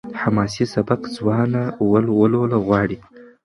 حماسي سبک ځوانه ولوله غواړي.